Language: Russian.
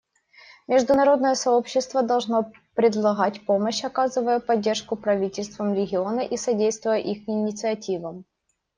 Международное сообщество должно предлагать помощь, оказывая поддержку правительствам региона и содействуя их инициативам.